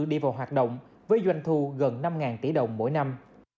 đi vào hoạt động với doanh thu gần năm tỷ đồng mỗi năm